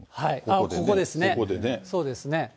ここですね、そうですね。